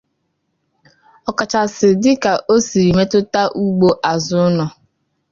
ọkachasị dịka o siri metụta Ugbo Azụ Ụnọ